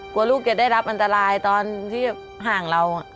กลัวลูกจะได้รับอันตรายตอนที่ห่างเรา